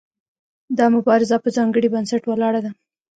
دا مبارزه په ځانګړي بنسټ ولاړه ده.